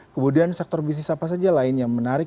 kemudian sektor bisnis apa saja lain yang menarik